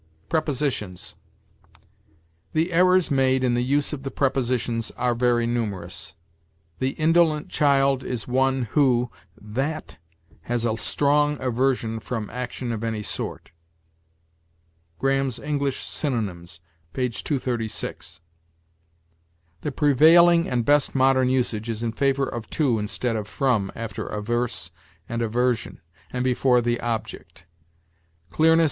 PREPOSITIONS. The errors made in the use of the prepositions are very numerous. "The indolent child is one who [that?] has a strong aversion from action of any sort." Graham's "English Synonymes," p. 236. The prevailing and best modern usage is in favor of to instead of from after averse and aversion, and before the object. "Clearness